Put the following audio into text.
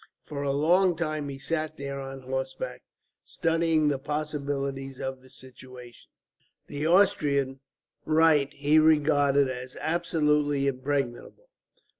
For a long time he sat there on horseback, studying the possibilities of the situation. The Austrian right he regarded as absolutely impregnable.